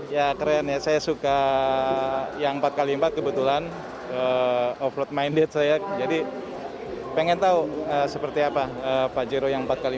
ya keren ya saya suka yang empat x empat kebetulan offload minded saya jadi pengen tahu seperti apa pajero yang empat x empat